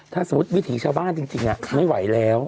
ถ้าสมมุติวิถีชาวบ้านจริงไม่ไหวแล้ว